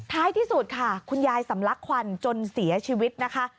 ที่สุดค่ะคุณยายสำลักควันจนเสียชีวิตนะคะ